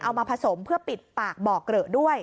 มาผสมเพื่อปิดปากบ่อเกลอะด้วย